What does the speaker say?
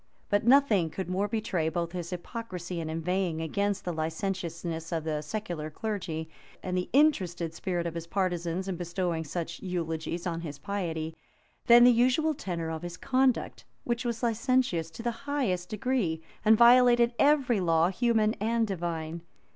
But nothing could more betray both his hypocrisy in inveighing against the licentiousness of the secular clergy, and the interested spirit of his partisans in bestowing such eulogies on his piety, than the usual tenor of his conduct, which was licentious to the highest degree, and violated every law, human and divine.